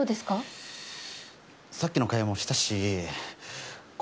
さっきの会話もしたし。